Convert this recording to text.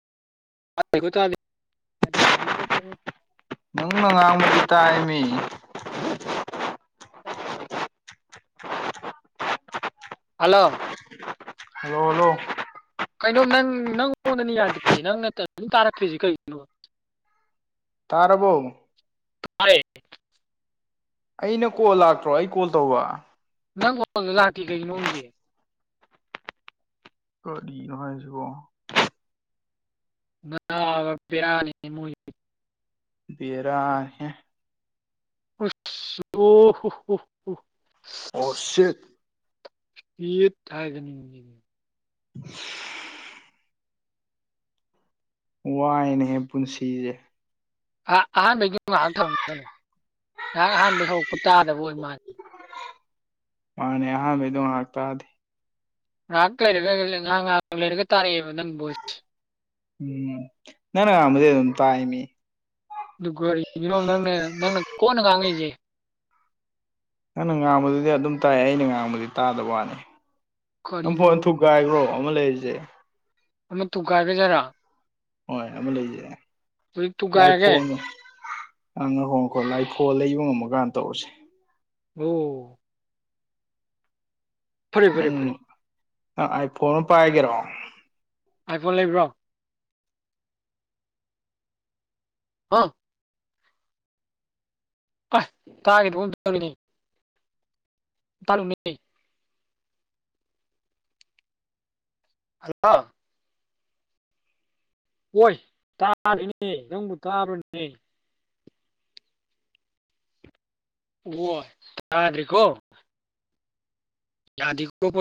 ꯣꯦ ꯅꯪꯅ ꯉꯥꯡꯃꯗꯤ ꯇꯥꯏ ꯃꯤ ꯐꯔ ꯍꯂꯣ ꯍꯣꯂꯣ ꯀꯩꯅꯣ ꯅꯪ ꯅꯪ ꯑꯣꯣꯟꯗꯅꯤ ꯌꯥꯗ꯭ꯔꯤꯁꯤ ꯅꯪꯅ ꯑꯗꯨꯝ ꯇꯥꯔꯛꯇ꯭ꯔꯤꯁꯤ ꯀꯩꯒꯤꯅꯣ ꯇꯥꯔꯕꯣ ꯍꯔꯦ ꯑꯩꯅ ꯀꯣꯜ ꯂꯥꯛꯇ꯭ꯔꯣ ꯑꯩ ꯀꯣꯜ ꯇꯧꯕ ꯅꯪ ꯍꯪꯗ ꯂꯥꯛꯇꯦ ꯀꯩꯒꯤ ꯅꯣꯣꯡꯒꯤꯦ ꯀꯔꯤ ꯅꯨꯡꯉꯥꯏꯁꯤꯕꯣ ꯉ ꯄꯌꯥꯅꯤ ꯃ ꯔ ꯑ ꯑꯣ ꯍꯣ ꯍꯣ ꯍ ꯑꯣꯁꯠ ꯌꯦ ꯊꯥꯏꯒꯅꯤ [unintelligible] ꯋꯥꯥꯏꯅꯦꯦ ꯄꯨꯟꯁꯤꯁꯦ ꯑ ꯑꯍꯥꯟꯕꯩꯒꯤ ꯉꯥꯏꯍꯥꯛ ꯊꯝꯗꯧꯅꯦ ꯉꯥꯏꯍꯥꯛ ꯑꯍꯥꯟꯕꯩ ꯍꯧꯔꯛꯄ ꯇꯥꯗꯕ ꯑꯣꯏ ꯃꯥꯜꯂꯤꯦ ꯃꯥꯅꯦ ꯑꯍꯥꯟꯕ ꯑꯗꯨ ꯍꯥꯥꯛꯇꯥꯗꯤ ꯉꯥꯏꯍꯥꯛ ꯂꯩꯔꯒ ꯉꯍꯥꯛ ꯉꯥꯏꯍꯥꯛ ꯂꯩꯔꯒ ꯇꯥꯔꯛꯑꯦꯕ ꯅꯪ ꯕꯣꯏꯁ ꯎꯝ ꯅ ꯅ ꯃ ꯑꯗꯨ ꯇꯥꯏ ꯃꯤ ꯑꯗꯨꯒꯔꯣꯝ ꯅꯪꯅ ꯅꯪꯅ ꯀꯣꯟꯅ ꯉꯥꯡꯉꯛꯏꯁꯦ ꯅꯪꯅ ꯉꯥꯡꯕꯗꯨꯗꯤ ꯑꯗꯨꯝ ꯇꯥꯏ ꯑꯩꯅ ꯉꯥꯡꯕꯗꯤ ꯇꯥꯗꯕ ꯋꯥꯅꯤ ꯅꯝꯐꯨ ꯀꯔꯤꯅꯣ ꯑꯟꯊꯨ ꯀꯥꯏꯈ꯭ꯔꯣ ꯑꯃ ꯂꯩꯔꯤꯁꯦ ꯑꯃꯠꯇꯒꯥꯏꯒꯗꯔꯥ ꯍꯣꯏ ꯑ ꯂꯩꯖ ꯇ ꯇꯨꯡꯒꯥꯏꯔꯒꯦ ꯑꯪ ꯉꯈꯣꯡ ꯉꯈꯣ ꯂꯥꯏꯈꯣ ꯂꯩꯕ ꯉꯝꯃꯀꯥꯟꯗ ꯇꯧꯔꯁꯦ ꯍꯝ ꯐꯔꯦ ꯐꯔꯦ ꯐꯔꯦ ꯑ ꯑꯥꯏꯐꯣꯟꯅ ꯄꯥꯏꯒꯦꯔꯣ ꯍꯥꯏꯐꯣ ꯂꯩꯕ꯭ꯔꯣ ꯍꯥ ꯑ ꯇꯥꯦꯗꯤ ꯇꯔ ꯎ ꯑꯂ ꯍꯣꯏ ꯇꯥꯔꯤꯅꯦ ꯅꯪꯕꯨ ꯇꯥꯔꯨꯅꯦ ꯆꯥꯗꯀꯣ ꯌꯥꯗꯤꯣ